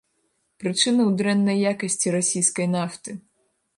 Прычына ў дрэннай якасці расійскай нафты.